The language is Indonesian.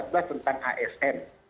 dua ribu empat belas tentang asn